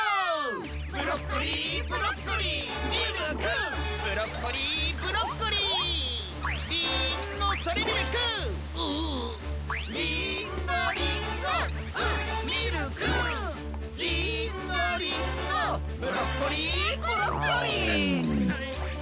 ブロッコリーブロッコリーミルクブロッコリーブロッコリーリーンゴそれミルクうっリーンゴリンゴうっミルクリーンゴリンゴブロッコリーブロッコリーゴロゴロ。